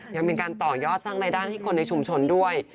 ยังเป็นการต่อยอดสร้างรายได้ให้คนในชุมชนด้วย